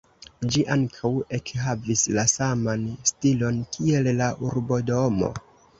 Ĝi ankaŭ ekhavis la saman stilon kiel la urbodomo.